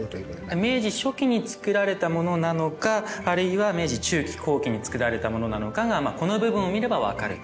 明治初期に造られたものなのかあるいは明治中期後期に造られたものなのかがこの部分を見れば分かると。